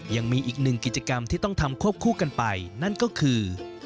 ยังมีอีกหนึ่งกิจกรรมที่ต้องทำควบคู่กันไปนั่นก็คือ